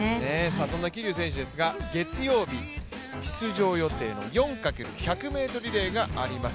そんな桐生選手ですが、月曜日出場予定の４×１００ｍリレーがあります。